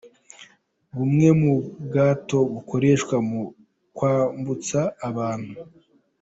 Bumwe mu bwato bukoreshwa mu kwambutsa abantu.